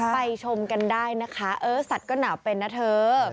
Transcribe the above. ชมกันได้นะคะเออสัตว์ก็หนาวเป็นนะเธอ